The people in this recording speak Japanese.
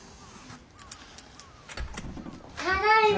ただいま。